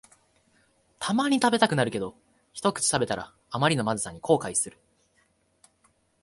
たまに食べたくなるけど、ひとくち食べたらあまりのまずさに後悔する